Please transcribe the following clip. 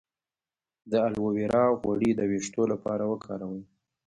د الوویرا غوړي د ویښتو لپاره وکاروئ